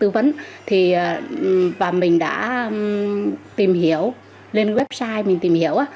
và mình đã tìm hiểu lên website mình tìm hiểu